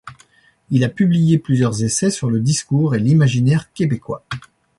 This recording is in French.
Il a publié plusieurs essais sur le discours et l'imaginaire québécois.